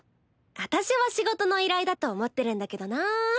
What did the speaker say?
私は仕事の依頼だと思ってるんだけどな。